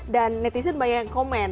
dan netizen banyak yang komen